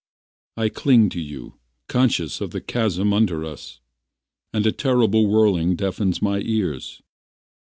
I cling to you Conscious of the chasm under us, And a terrible whirring deafens my ears.